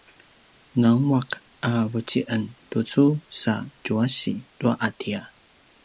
nangua’ a vuci’en tucu sa djuasi tua ’atia